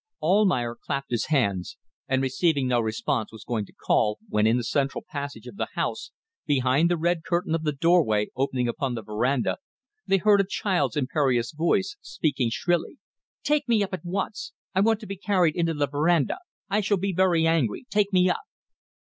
Almayer clapped his hands, and receiving no response was going to call, when in the central passage of the house, behind the red curtain of the doorway opening upon the verandah, they heard a child's imperious voice speaking shrilly. "Take me up at once. I want to be carried into the verandah. I shall be very angry. Take me up."